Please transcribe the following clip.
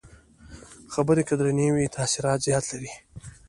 خبرې که درنې وي، تاثیر زیات لري